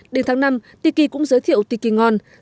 đến tháng năm tiki cũng giới thiệu tiki ngon